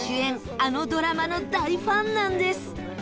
あのドラマの大ファンなんです